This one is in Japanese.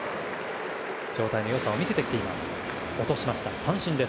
状態の良さを見せてきています。